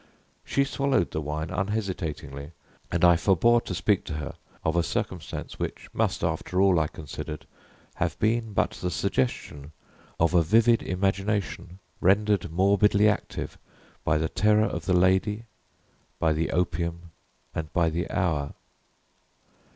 She swallowed the wine unhesitatingly, and I forebore to speak to her of a circumstance which must, after all, I considered, have been but the suggestion of a vivid imagination, rendered morbidly active by the terror of the lady, by the opium, and by the hour.